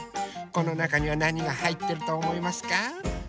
このなかにはなにがはいってるとおもいますか？